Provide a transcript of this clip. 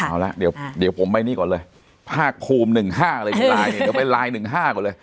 เอาละเดี๋ยวผมไปนี่ก่อนเลยภาคภูมิหนึ่งห้าเลยลายเนี่ยเดี๋ยวไปลายหนึ่งห้าก่อนเลย